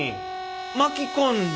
巻き込んだ